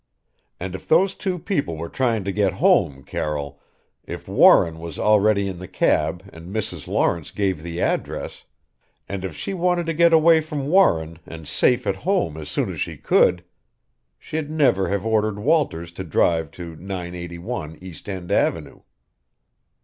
And if those two people were trying to get home, Carroll if Warren was already in the cab and Mrs. Lawrence gave the address and if she wanted to get away from Warren and safe at home as soon as she could she'd never have ordered Walters to drive to 981 East End avenue!"